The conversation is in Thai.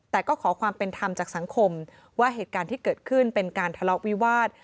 แต่ก็ขอความเป็นธรรมจากสังคมว่าเหตุการณ์ที่เกิดขึ้นเป็นการทะเลาะวิวาส